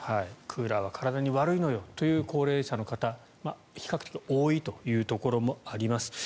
クーラーは体に悪いのよという高齢者の方比較的多いというところもあります。